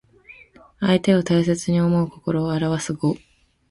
相手を大切に思う心をあらわす語。